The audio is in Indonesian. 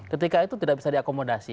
ketika itu tidak bisa diakomodasi